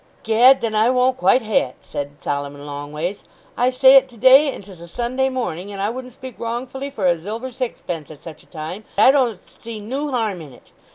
"Gad, then I won't quite ha'e it," said Solomon Longways. "I say it to day, and 'tis a Sunday morning, and I wouldn't speak wrongfully for a zilver zixpence at such a time. I don't see noo harm in it.